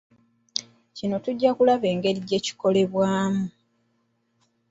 Kino tujja kulaba engeri gyekikolebwamu.